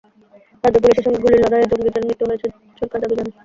রাজ্য পুলিশের সঙ্গে গুলির লড়াইয়ে জঙ্গিদের মৃত্যু হয়েছে সরকার দাবি জানায়।